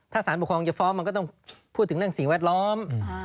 ถ้าสารปกครองจะฟ้องมันก็ต้องพูดถึงเรื่องสิ่งแวดล้อม